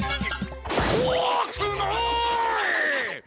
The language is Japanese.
こわくない！